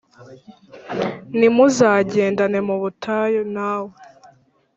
ntimuzagendane mu butayu nawe